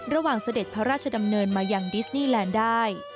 เสด็จพระราชดำเนินมายังดิสนีแลนด์ได้